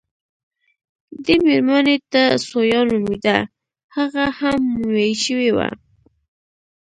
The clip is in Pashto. دې مېرمنې ته ثویا نومېده، هغه هم مومیايي شوې وه.